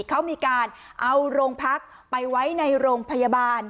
เขามีการเอาโรงพักไปไว้ในโรงพยาบาล